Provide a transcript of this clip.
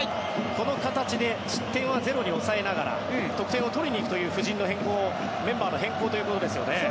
この形で失点はゼロに抑えながら得点を取りに行くという布陣の変更メンバーの変更ということですね。